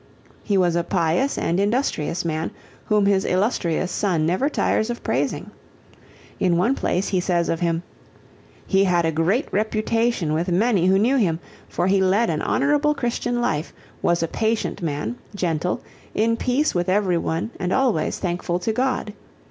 He was a pious and industrious man whom his illustrious son never tires of praising. In one place he says of him, "He had a great reputation with many who knew him, for he led an honorable Christian life, was a patient man, gentle, in peace with everyone and always thankful to God.